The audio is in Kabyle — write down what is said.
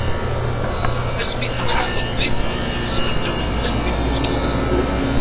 Asmi tuweḍ d tilemẓit, ttasment akk tullas di tfulki-s.